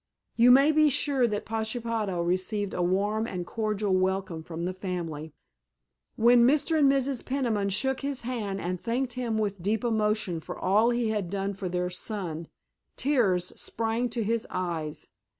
You may be sure that Pashepaho received a warm and cordial welcome from the family. When Mr. and Mrs. Peniman shook his hand and thanked him with deep emotion for all he had done for their son tears sprang to his eyes.